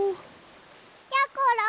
やころ。